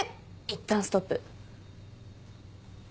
いったんストップ。